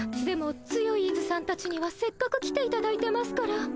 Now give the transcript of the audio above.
でもツヨイーズさんたちにはせっかく来ていただいてますから。